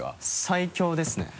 最強ですね。